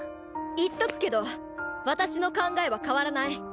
言っとくけど私の考えは変わらない！